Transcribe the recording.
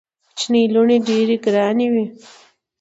کوچنۍ لوڼي ډېري ګراني وي.